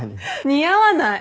似合わない。